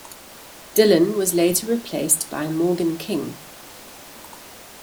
Dillon was later replaced by Morgan King.